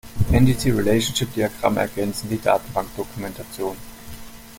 Entity-Relationship-Diagramme ergänzen die Datenbankdokumentation.